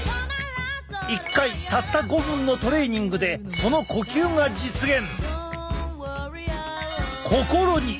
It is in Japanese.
一回たった５分のトレーニングでその呼吸が実現。